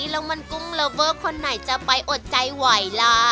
แล้วมันกุ้งเลอเวอร์คนไหนจะไปอดใจไหวล่ะ